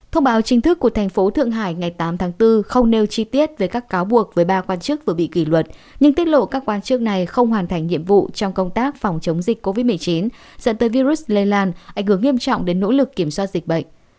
thông báo chính thức của thành phố thượng hải ngày tám tháng bốn không nêu chi tiết về các cáo buộc với ba quan chức vừa bị kỷ luật nhưng tiết lộ các quan chức này không hoàn thành nhiệm vụ trong công tác phòng chống dịch covid một mươi chín dẫn tới virus lây lan ảnh hưởng nghiêm trọng đến nỗ lực kiểm soát dịch bệnh